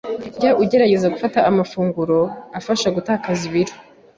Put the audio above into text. Jya ugerageza gufata amafunguro afasha gutakaza ibiro